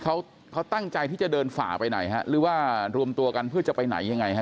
เขาเขาตั้งใจที่จะเดินฝ่าไปไหนฮะหรือว่ารวมตัวกันเพื่อจะไปไหนยังไงฮะ